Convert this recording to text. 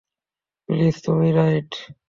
Please তুমিই right.